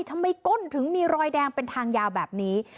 ก้นถึงมีรอยแดงเป็นทางยาวแบบนี้